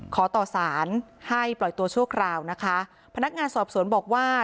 ขอต่อสารให้ปล่อยตัวชั่วคราวนะคะพนักงานสอบสวนบอกว่า